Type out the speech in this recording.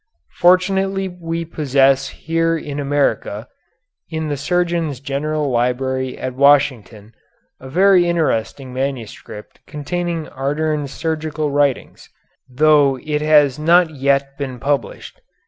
Fortunately we possess here in America, in the Surgeon General's Library at Washington, a very interesting manuscript containing Ardern's surgical writings, though it has not yet been published.